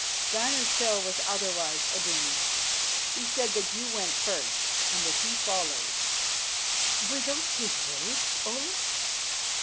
"Steinar's tale was otherwise, Iduna. He said that you went first, and that he followed." "Were those his words, Olaf?